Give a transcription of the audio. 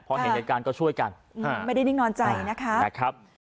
เพราะเห็นกับการก็ช่วยกันอืมไม่ได้นิ่งนอนใจนะคะนะครับ